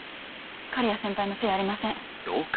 刈谷先輩のせいやありません。